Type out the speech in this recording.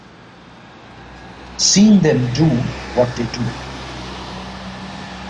Seeing them do what they do.